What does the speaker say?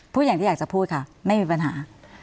พูดอย่างที่อยากจะพูดค่ะไม่มีปัญหา